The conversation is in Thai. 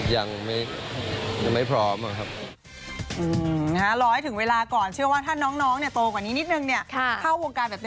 ยังไม่ถึงเวลาครับผมว่าครับ